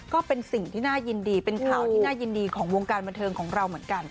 ก็เป็นสิ่งที่น่ายินดีเป็นข่าวที่น่ายินดีของวงการบันเทิงของเราเหมือนกัน